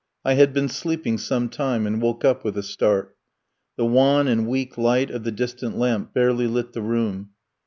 I had been sleeping some time and woke up with a start. The wan and weak light of the distant lamp barely lit the room.